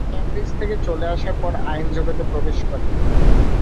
Cambridge থেকে চলে আসার পর আইন জগতে প্রবেশ করেন।